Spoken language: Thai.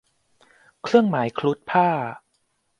เครื่องหมายครุฑพ่าห์